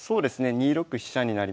２六飛車になります。